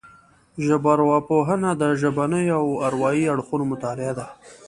ژبارواپوهنه د ژبنيو او اروايي اړخونو مطالعه ده